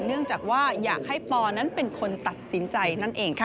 เนื่องจากว่าอยากให้ปอนั้นเป็นคนตัดสินใจนั่นเองค่ะ